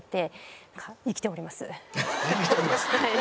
「生きております」。